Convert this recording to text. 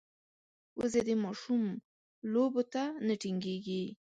وزې د ماشوم لوبو ته نه تنګېږي